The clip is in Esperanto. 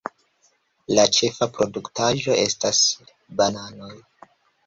La ĉefa produktaĵo estas bananoj.